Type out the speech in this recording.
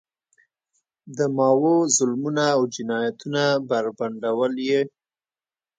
د ماوو ظلمونه او جنایتونه بربنډول یې.